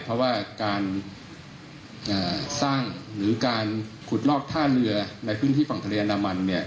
เพราะว่าการสร้างหรือการขุดลอกท่าเรือในพื้นที่ฝั่งทะเลอันดามันเนี่ย